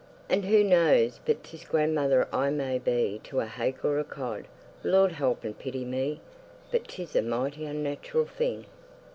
And who knows but 'tis grandmother I may be to a hake or a cod Lord help and pity me, but 'tis a mighty unnatural thing!